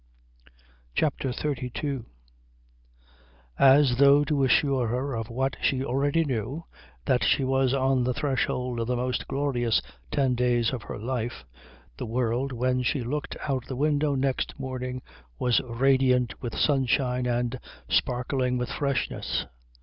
CHAPTER XXXII As though to assure her of what she already knew, that she was on the threshold of the most glorious ten days of her life, the world when she looked out of the window next morning was radiant with sunshine and sparkling with freshness.